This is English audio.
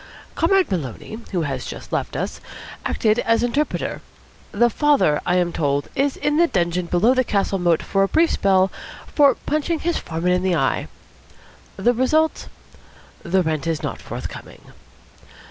Comrade Maloney, who has just left us, acted as interpreter. The father, I am told, is in the dungeon below the castle moat for a brief spell for punching his foreman in the eye. The result? The rent is not forthcoming."